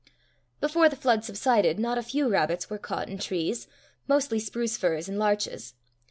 Before the flood subsided, not a few rabbits were caught in trees, mostly spruce firs and larches.